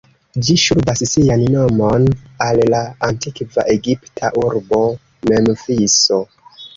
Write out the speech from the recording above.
Ĝi ŝuldas sian nomon al la antikva egipta urbo Memfiso.